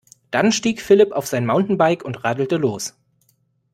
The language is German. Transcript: Dann stieg Philipp auf sein Mountainbike und radelte los.